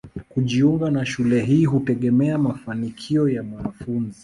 Kujiunga na shule hii hutegemea mafanikio ya mwanafunzi.